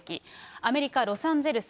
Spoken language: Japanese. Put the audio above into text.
アメリカ・ロサンゼルス。